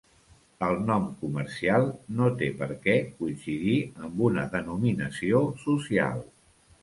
El nom comercial no té per què coincidir amb una denominació social.